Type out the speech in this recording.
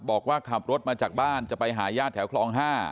บอกว่าขับรถมาจากบ้านจะไปหาญาติแถวคลอง๕